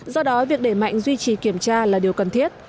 do đó việc để mạnh duy trì kiểm tra là điều cần thiết